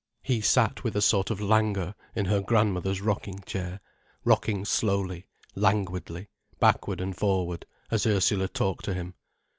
He sat with a sort of languor in her grandmother's rocking chair, rocking slowly, languidly, backward and forward, as Ursula talked to him.